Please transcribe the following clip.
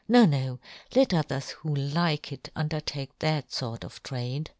No, ' no, let others who like it undertake ' that fort of trade